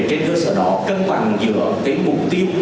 để cái cơ sở đó cân bằng giữa cái mục tiêu